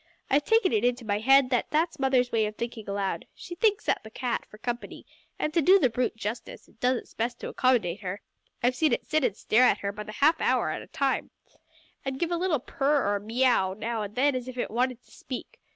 I've taken it into my head that that's mother's way of thinking aloud she thinks at the cat, for company: and to do the brute justice, it does its best to accommodate her. I've seen it sit and stare at her by the half hour at a time, and give a little purr or a meaiow now and then as if it wanted to speak.